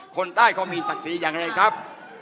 คนใต้เขามีศักดิ์ศรีอย่างไรครับ